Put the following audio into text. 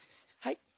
はい。